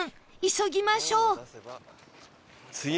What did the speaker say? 急ぎましょう